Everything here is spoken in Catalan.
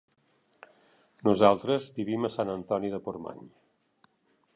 Nosaltres vivim a Sant Antoni de Portmany.